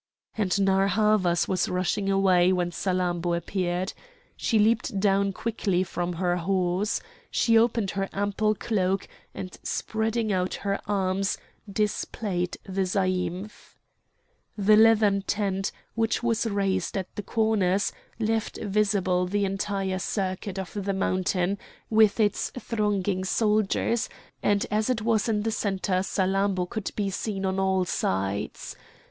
And Narr' Havas was rushing away when Salammbô appeared. She leaped down quickly from her horse. She opened her ample cloak and spreading out her arms displayed the zaïmph. The leathern tent, which was raised at the corners, left visible the entire circuit of the mountain with its thronging soldiers, and as it was in the centre Salammbô could be seen on all sides.